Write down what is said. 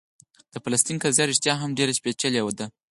د فلسطین قضیه رښتیا هم ډېره پېچلې ده.